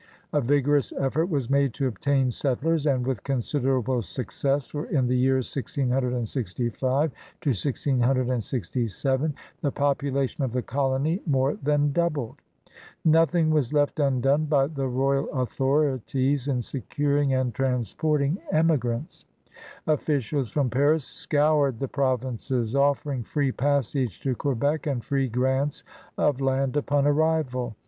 A vigorous effort was made to obtain settlers, and with considerable success, for in the years 166S 1667 the population of the colony more than doubled. Nothing was left undone by the royal authorities in securing and transport ing emigrants. Officials from Paris scoured the provinces, offering free passage to Quebec and free grants of land upon arrival.